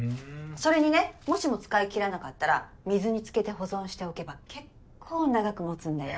それにねもしも使い切らなかったら水につけて保存しておけば結構長くもつんだよ。